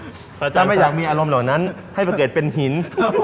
อาจารย์ไม่อยากมีอารมณ์เหล่านั้นให้มาเกิดเป็นหิน